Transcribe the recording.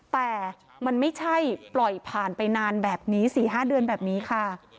แต่มันไม่ใช่ปล่อยผ่านไปนานแบบนี้๔๕เดือนแบบนี้ค่ะ